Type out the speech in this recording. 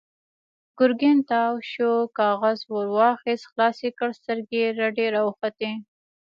ګرګين تاو شوی کاغذ ور واخيست، خلاص يې کړ، سترګې يې رډې راوختې.